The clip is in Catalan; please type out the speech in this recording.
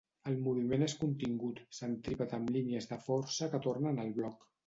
El moviment és contingut, centrípet amb línies de força que tornen al bloc.